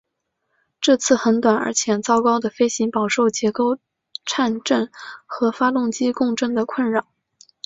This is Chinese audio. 这次很短而且糟糕的飞行饱受结构颤振和发动机共振的困扰。